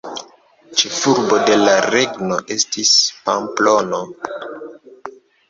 Ĉefurbo de la regno estis Pamplono.